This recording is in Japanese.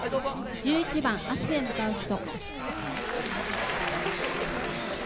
１１番「明日へ向かう人」。